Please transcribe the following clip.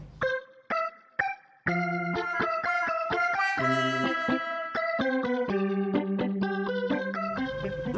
masih ada cemilan nggak di dalam